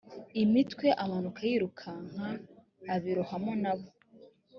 imitwe amanuka yirukanka abirohamo na bo